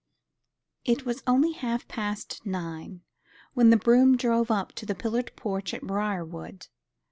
It was only half past nine when the brougham drove up to the pillared porch at Briarwood.